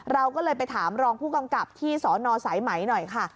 เราก็เลยไปถามรองผู้กำกับที่สนสายไหมหน่อยค่ะ